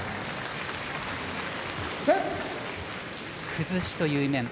崩しという面。